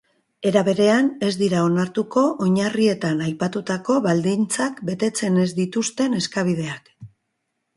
Era berean, ez dira onartuko oinarrietan aipatutako baldintzak betetzen ez dituzten eskabideak.